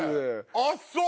あっそう。